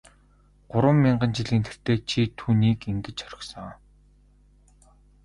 Гурван мянган жилийн тэртээд чи түүнийг ингэж орхисон.